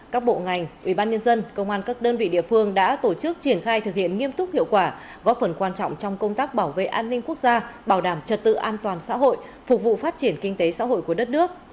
các bộ ngành ubnd công an các đơn vị địa phương đã tổ chức triển khai thực hiện nghiêm túc hiệu quả góp phần quan trọng trong công tác bảo vệ an ninh quốc gia bảo đảm trật tự an toàn xã hội phục vụ phát triển kinh tế xã hội của đất nước